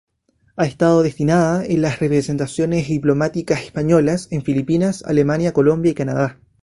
Ha estado destinada en las representaciones diplomáticas españolas en Filipinas, Alemania Colombia y Canadá.